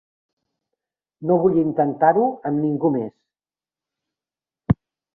No vull intentar-ho amb ningú més.